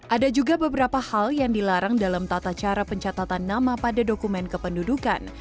ada juga beberapa hal yang dilarang dalam tata cara pencatatan nama pada dokumen kependudukan